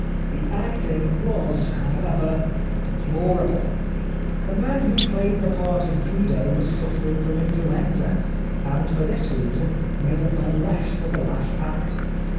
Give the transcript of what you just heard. The acting was, however, deplorable. The man who played the part of Guido was suffering from influenza, and for this reason made a burlesque of the last act.